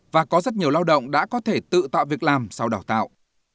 và có rất nhiều lao động đã có thể tự tạo việc làm sau đào tạo